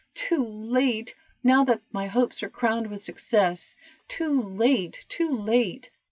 too late! now that my hopes are crowned with success. Too late! too late!"